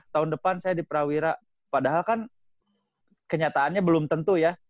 tahun depan saya di prawira padahal kan kenyataannya belum tentu ya